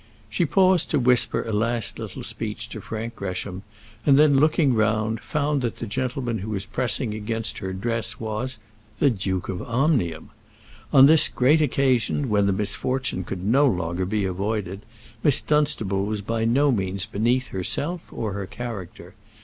She paused to whisper a last little speech to Frank Gresham, and then looking round, found that the gentleman who was pressing against her dress was the Duke of Omnium! On this great occasion, when the misfortune could no longer be avoided, Miss Dunstable was by no means beneath herself or her character.